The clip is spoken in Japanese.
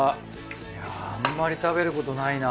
いやぁあんまり食べることないな。